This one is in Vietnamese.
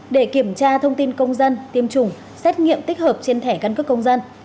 để kiểm tra thông tin công dân tiêm chủng xét nghiệm tích hợp trên thẻ căn cước công dân